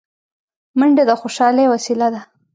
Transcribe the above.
منډه د خوشحالۍ وسیله ده